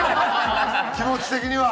気持ち的には。